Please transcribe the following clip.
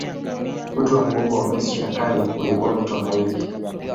Uti wa mgongo wa Misri ya Kale ulikuwa mto Naili.